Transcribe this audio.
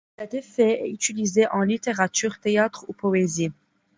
Cet effet est utilisé en littérature, théâtre ou poésie.